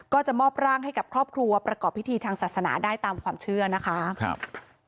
ก็จะมอบร่างให้กับครอบครัวประกอบพิธีทางศาสนาได้ตามความเชื่อนะคะครับ